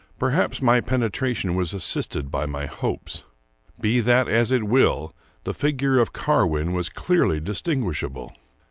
Perhaps my penetration was assisted by my hopes. Be that as it will, the figure of Carwin was clearly distinguishable.